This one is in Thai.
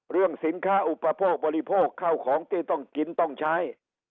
เรื่องสินค้าอุปโภคบริโภคเข้าของที่ต้องกินต้องใช้